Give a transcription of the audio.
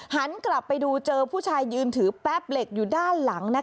หันกลับไปดูเจอผู้ชายยืนถือแป๊บเหล็กอยู่ด้านหลัง